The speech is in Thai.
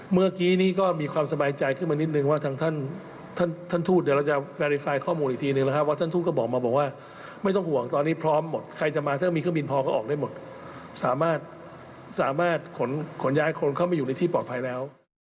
เมื่อกี้นี้ก็มีความสบายใจขึ้นมานิดนึงว่าทางท่านท่านทูตเดี๋ยวเราจะแปรีไฟล์ข้อมูลอีกทีนึงนะครับว่าท่านทูตก็บอกมาบอกว่าไม่ต้องห่วงตอนนี้พร้อมหมดใครจะมาถ้ามีเครื่องบินพอก็ออกได้หมดสามารถขนย้ายคนเข้ามาอยู่ในที่ปลอดภัยแล้ว